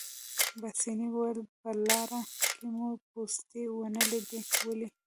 پاسیني وویل: په لاره کې مو پوستې ونه لیدې، ولې؟